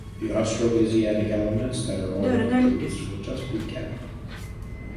The Austroasiatic elements that are already used will just be kept.